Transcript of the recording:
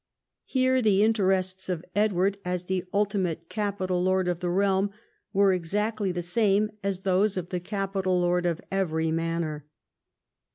Here the interests of Edward as the ultimate capital lord of the realm were exactly the same as those of the capital lord of every manor.